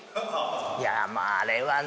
いやまぁあれはね